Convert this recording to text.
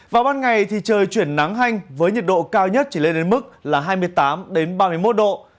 vào ban ngày thì trời chuyển nắng hanh với nhiệt độ cao nhất chỉ lên đến mức là hai mươi tám ba mươi một độ